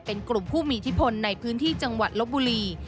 เป็นกลุ่มผู้มีอิทธิพลในพื้นที่จังหวัดลบบุรี